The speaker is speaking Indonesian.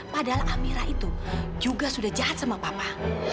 padahal amira itu juga sudah jahat sama papa